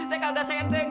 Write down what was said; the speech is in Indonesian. saya kagak sedeng